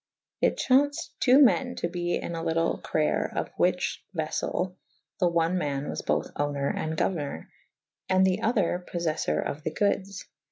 It chau«ced .ii. men to be in a lytle crayer/of the whiche veffell the one man was both owner and gouernour / and the other poffef four of the goodes.